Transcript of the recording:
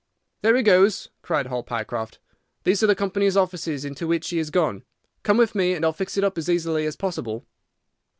"There he goes!" cried Hall Pycroft. "These are the company's offices into which he has gone. Come with me, and I'll fix it up as easily as possible."